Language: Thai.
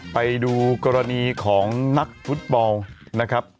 ไปดูกรณีของนักฟุตบอลนะครับ